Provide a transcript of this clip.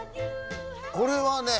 これはね。